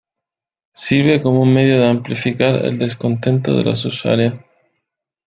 sirve como un medio de amplificar el descontento de los usuarios